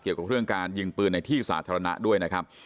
เกี่ยวกับเรื่องการยิงปืนในที่สาธารณะด้วยนะครับ